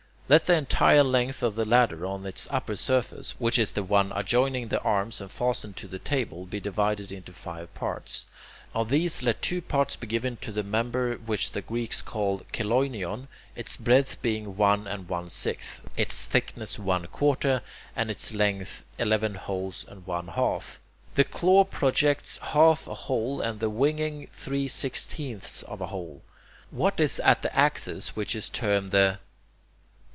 Let the entire length of the ladder on its upper surface which is the one adjoining the arms and fastened to the table be divided into five parts. Of these let two parts be given to the member which the Greeks call the [Greek: chelonion], its breadth being one and one sixth, its thickness one quarter, and its length eleven holes and one half; the claw projects half a hole and the "winging" three sixteenths of a hole. What is at the axis which is termed the...